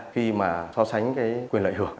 khi mà so sánh quyền lợi hưởng